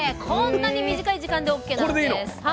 こんなに短い時間でオッケーなんです。